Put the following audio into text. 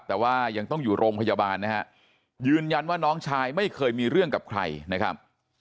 แต่ว่ายังต้องอยู่โรงพยาบาลนะฮะยืนยันว่าน้องชายไม่เคยมีเรื่องกับใครนะครับ